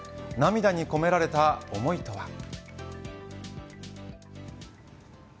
涙に込められた思いとは。